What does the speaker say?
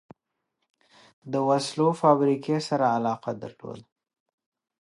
د وسلو فابریکې سره علاقه درلوده.